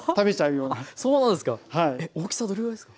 そうなんですか。